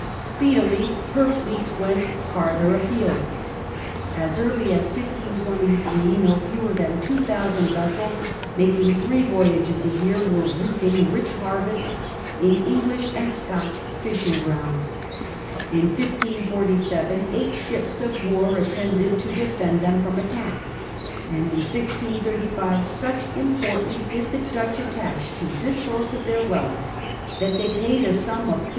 Speedily her fleets went farther afield. As early as 1523 no fewer than 2,000 vessels, making three voyages a year, were reaping rich harvests in English and Scotch fishing grounds ; in 1547 eight ships of war attended to defend them from attack, and in 1635, such importance did the Dutch attach to this source of their wealth that they paid a sum of 30,000